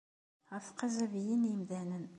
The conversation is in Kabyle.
Ɣef txazabiyin n yimdanen.